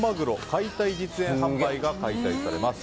解体実演販売が開催されます。